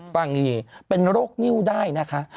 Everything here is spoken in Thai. ป๊าดดดดดดดดดเป็นโรคนิ่วได้นะคะ